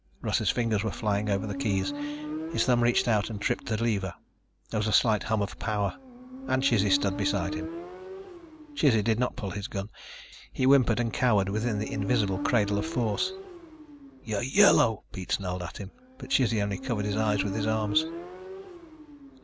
Russ's fingers were flying over the keys. His thumb reached out and tripped a lever. There was a slight hum of power. And Chizzy stood beside him. Chizzy did not pull his gun. He whimpered and cowered within the invisible cradle of force. "You're yellow," Pete snarled at him, but Chizzy only covered his eyes with his arms.